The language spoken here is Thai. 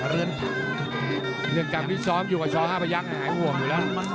เรื่องการพิซ้อมอยู่กับช๕พยักษ์หายห่วงอยู่แล้ว